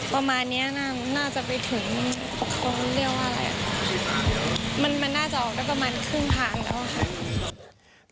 ประมาณเนี้ยน่าจะไปถึงเรียกว่าอะไรอ่ะมันมันน่าจะออกได้ประมาณครึ่งทางแล้วค่ะ